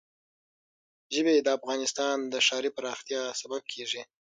ژبې د افغانستان د ښاري پراختیا سبب کېږي.